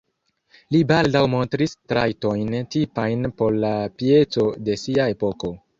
Li baldaŭ montris trajtojn tipajn por la pieco de sia epoko.